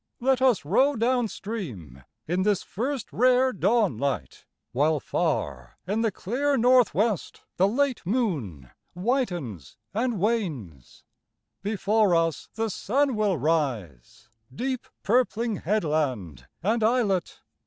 Let us row down stream in this first rare dawnlight, While far in the clear north west the late moon whitens and wanes; Before us the sun will rise, deep purpling headland and islet.